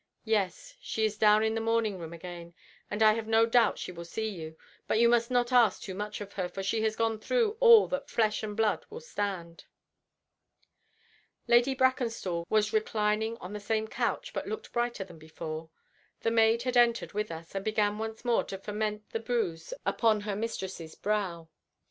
Yes, she is down in the morning room again, and I have no doubt she will see you, but you must not ask too much of her, for she has gone through all that flesh and blood will stand." Lady Brackenstall was reclining on the same couch, but looked brighter than before. The maid had entered with us, and began once more to foment the bruise upon her mistress's brow.